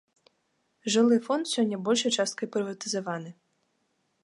Жылы фонд сёння большай часткай прыватызаваны.